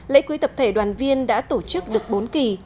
lễ cưới tập thể đoàn viên đã tổ chức được bốn kỳ